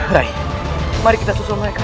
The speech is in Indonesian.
rai mari kita susun mereka